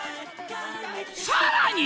さらに！